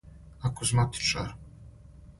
акузматичар